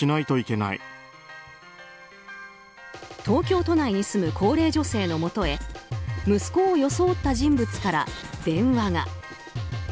東京都内に住む高齢女性のもとへ息子を装った人物から電話が。